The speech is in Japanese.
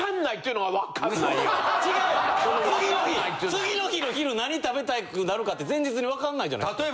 次の日の昼何食べたくなるかって前日に分かんないじゃないですか。